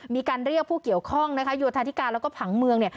มีการเรียกผู้เกี่ยวข้องนะคะโยธาธิการแล้วก็ผังเมืองเนี่ย